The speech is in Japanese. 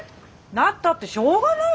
なったってしょうがない